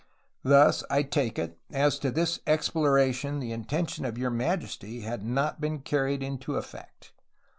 Thus, I take it, as to this exploration the intention of Your Majesty has not been car ried into effect.